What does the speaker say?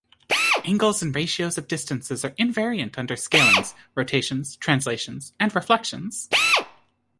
Angles and ratios of distances are invariant under scalings, rotations, translations and reflections.